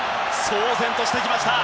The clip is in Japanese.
騒然としてきました。